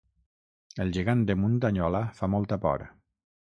El gegant de Muntanyola fa molta por